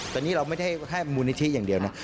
แต่นี่เราไม่ได้แค่มูลนิธิอย่างเดียวนะ